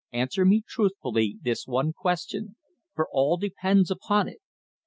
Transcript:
"Answer me truthfully this one question, for all depends upon it.